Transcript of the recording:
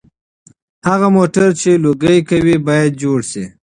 هغه موټر چې لوګي کوي باید جوړ شي.